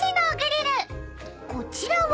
［こちらは］